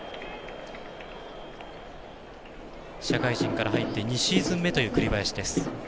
社会人から入って２シーズン目という栗林。